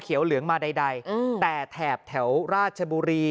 เหลืองมาใดแต่แถบแถวราชบุรี